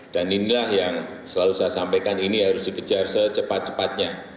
dan inilah yang selalu saya sampaikan ini harus dikejar sea cepat cepatnya